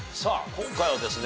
今回はですね